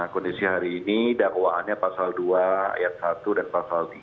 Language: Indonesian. kondisi hari ini dakwaannya pasal dua ayat satu dan pasal tiga